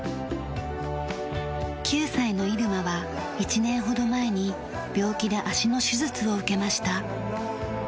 ９歳のイルマは１年ほど前に病気で足の手術を受けました。